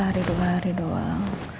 hari dua hari doang